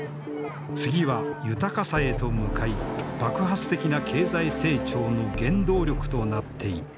次は豊かさへと向かい爆発的な経済成長の原動力となっていった。